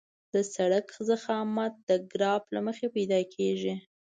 د سرک ضخامت د ګراف له مخې پیدا کیږي